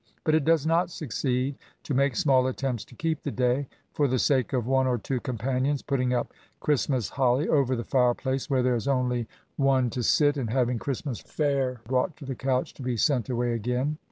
But it does not succeed to make small attempts to keep the day, for the sake of one or two companions, putting up Christ^ mafi holly over the fire place, where there is only one to sit, and haying Christmas fare brought to the couch, to be sent away again.